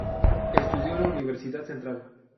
Estudió en la Universidad Central.